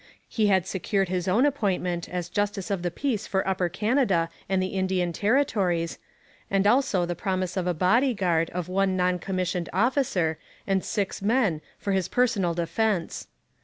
He had secured his own appointment as justice of the peace for Upper Canada and the Indian Territories, and also the promise of a bodyguard of one non commissioned officer and six men for his personal defence.